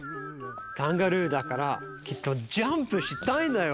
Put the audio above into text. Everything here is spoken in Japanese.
カンガルーだからきっとジャンプしたいんだよ。